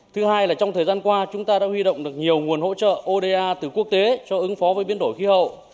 trong thời gian qua chúng ta đã huy động được nhiều nguồn hỗ trợ oda từ quốc tế cho ứng phó với biến đổi khí hậu